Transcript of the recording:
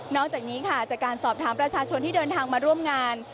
จากนี้ค่ะจากการสอบถามประชาชนที่เดินทางมาร่วมงาน